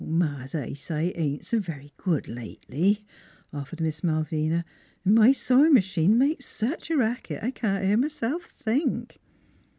" Ma's eyesight ain't s' very good lately," offered Miss Malvina, " 'n' my sewin' m'chine makes sech a racket I can't hear m'self think."